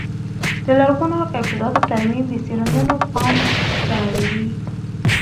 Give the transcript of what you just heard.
د لرغونو ابداتو ترمیم د سیلانیانو پام را اړوي.